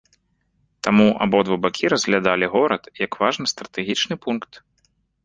Таму абодва бакі разглядалі горад як важны стратэгічны пункт.